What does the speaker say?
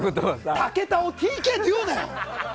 武田をＴＫって言うなよ！